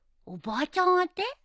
おばあちゃん宛て？